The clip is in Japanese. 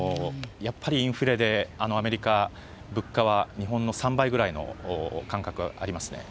やっぱり、インフレで、アメリカ、物価は日本の３倍ぐらいの感覚がありますね。